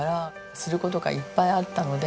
する事がいっぱいあったので。